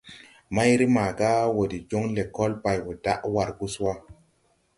Mayre maaga wɔ de jɔŋ lɛkɔl bay wɔ daʼ war gus wà.